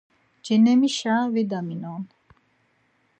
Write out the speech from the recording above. Cenemişa vidaminon.